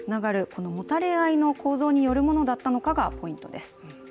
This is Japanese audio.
このもたれ合いの構造によるものだったのかがポイントです。